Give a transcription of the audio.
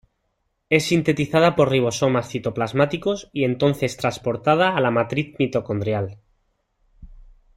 Es sintetizada por ribosomas citoplasmáticos y entonces transportada a la matriz mitocondrial.